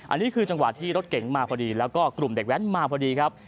อันนี้คือจังหวะที่รถเก๋งมาพอดีแล้วก็กลุ่มเด็กแว้นมาพอดีครับ